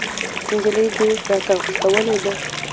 نجلۍ دې راتښتولې ده!